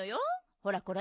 ほらこれ。